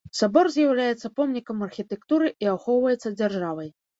Сабор з'яўляецца помнікам архітэктуры і ахоўваецца дзяржавай.